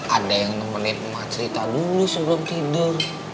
ada yang nemenin umar cerita dulu sebelum tidur